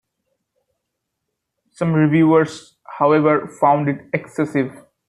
Some reviewers, however, found it excessive.